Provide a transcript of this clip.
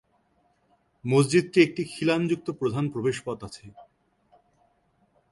মসজিদটি একটি খিলানযুক্ত প্রধান প্রবেশপথ আছে।